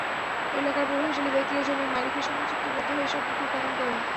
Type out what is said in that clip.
এলাকার প্রভাবশালী ব্যক্তিরা জমির মালিকের সঙ্গে চুক্তিবদ্ধ হয়ে এসব পুকুর খনন করেন।